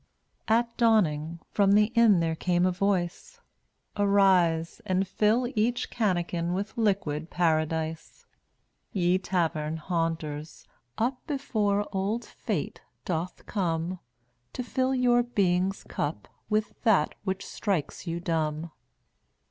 1 83 At dawning, from the inn There came a voice, "Arise, And fill each cannikin With liquid paradise. Ye tavern haunters, up Before old Fate doth come To fill your being's cup With that which strikes you dumb."